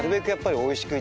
おいしい！